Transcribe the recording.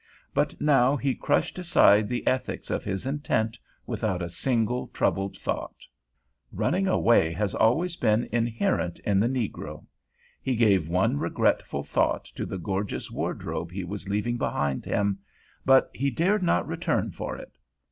But now he crushed aside the ethics of his intent without a single troubled thought. Running away has always been inherent in the negro. He gave one regretful thought to the gorgeous wardrobe he was leaving behind him; but he dared not return for it.